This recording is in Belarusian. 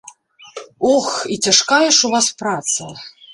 Ох, і цяжкая ж у вас праца!